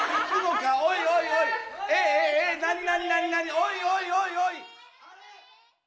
おいおいおいおい。